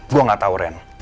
gue gak tau ren